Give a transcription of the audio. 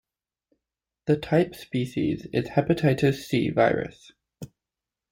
The type species is Hepatitis C virus.